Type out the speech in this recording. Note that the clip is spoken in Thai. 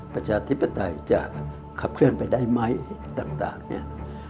ประชาธิปไตยจะขับเคลื่อนไปได้ไหมต่างเนี่ย